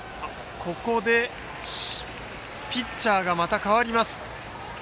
ここでピッチャーがまた代わります。